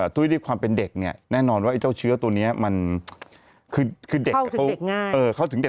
ด้วยความเป็นเด็กเนี่ยแน่นอนว่าไอ้เจ้าเชื้อตัวนี้มันคือเด็กเขาถึงเด็ก